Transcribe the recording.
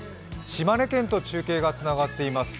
島根県と中継がつながっています。